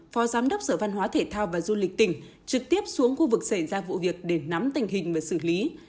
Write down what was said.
phó giám đốc sở văn hóa thể thao và du lịch tỉnh trực tiếp xuống khu vực xảy ra vụ việc để nắm tình hình và xử lý